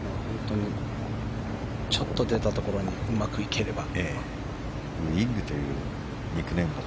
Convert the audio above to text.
ちょっと出たところにうまくいければ。